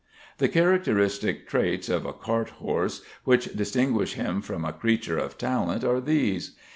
The characteristic traits of a cart horse which distinguish him from a creature of talent are these.